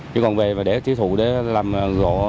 chứ còn về để thiếu thụ làm cảnh